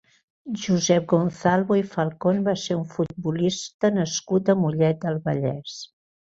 Josep Gonzalvo i Falcon va ser un futbolista nascut a Mollet del Vallès.